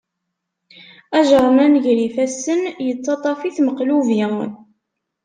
Ajernan gar ifassen, yettaṭṭaf-it meqlubi.